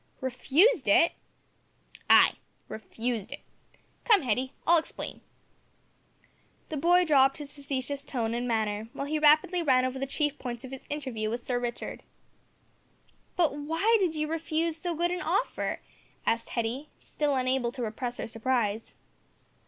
"Refused it?" "Ay refused it. Come Hetty, I'll explain." The boy dropped his facetious tone and manner while he rapidly ran over the chief points of his interview with Sir Richard. "But why did you refuse so good an offer?" asked Hetty, still unable to repress her surprise.